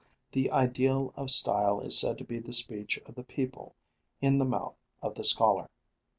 The ideal of style is said to be the speech of the people in the mouth of the scholar.